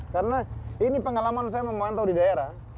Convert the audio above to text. karena ini pengalaman saya memantau di daerah